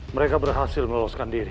mereka berhasil meloloskan diri